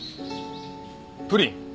プリン？